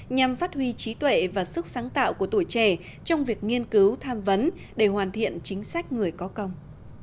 nhằm phát huy trí tuệ và sức sáng tạo của tuổi trẻ trong việc nghiên cứu tham vấn để hoàn thiện chính sách người có công